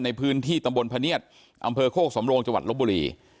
ในพื้นที่ตำบลพะเนียดอำเภอโคกสำโรงจังหวัดลบบุรี